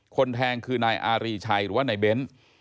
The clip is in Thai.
คนแทงคือนายอารีชัยหรือว่าในเบ้นท์